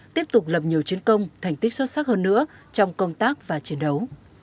tiếp tục lập nhiều chiến công thành tích xuất sắc hơn nữa trong công tác và chiến đấu